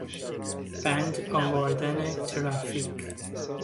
بند آوردن ترافیک